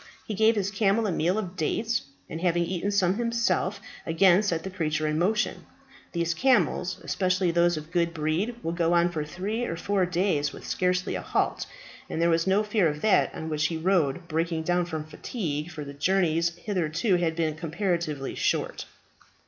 He gave his camel a meal of dates, and having eaten some himself, again set the creature in motion. These camels, especially those of good breed, will go on for three or four days with scarcely a halt; and there was no fear of that on which he rode breaking down from fatigue, for the journeys hitherto had been comparatively short.